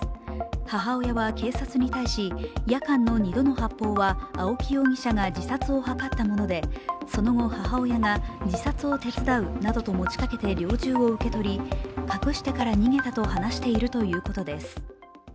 母親は警察に対し夜間の２度の発砲は青木容疑者が自殺を図ったものでその後、母親が自殺を手伝うなどと持ちかけ猟銃を受け取り隠してから逃げたと話しているということです。